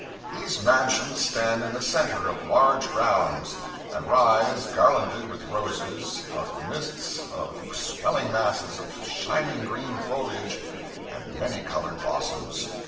These mansions stand in the center of large grounds, and rise, garlanded with roses, out of the midst of swelling masses of shining green foliage and many colored blossoms.